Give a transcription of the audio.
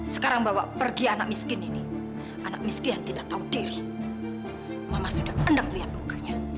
sekarang bawa pergi anak miskin ini anak miskin tidak tahu diri mama sudah endang lihat lukanya